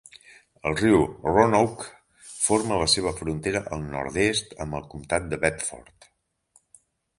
El riu Roanoke forma la seva frontera al nord-est amb el comtat de Bedford.